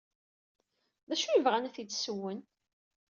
D acu ay bɣan ad t-id-ssewwen?